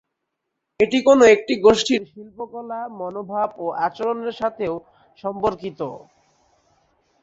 এটি কোনো একটি গোষ্ঠীর শিল্পকলা, মনোভাব ও আচরণের সাথেও সম্পর্কিত।